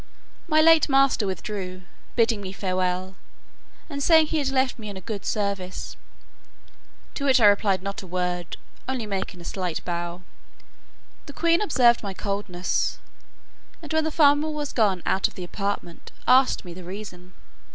My late master withdrew, bidding me farewell, and saying he had left me in a good service; to which I replied not a word, only making him a slight bow. The queen observed my coldness; and, when the farmer was gone out of the apartment, asked me the reason.